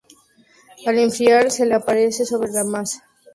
Al enfriar, se la esparce sobre la masa quebrada.